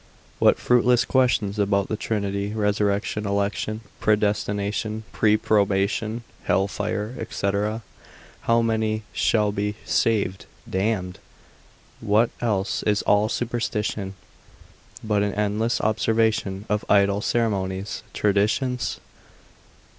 what fruitless questions about the Trinity, resurrection, election, predestination, reprobation, hell fire, &c., how many shall be saved, damned? What else is all superstition, but an endless observation of idle ceremonies, traditions?